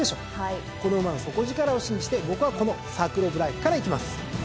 この馬の底力を信じて僕はこのサークルオブライフからいきます！